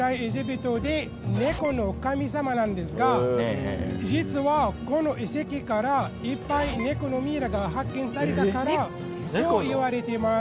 猫の神様なんですが実はこの遺跡からいっぱい猫のミイラが発見されたからそう言われています。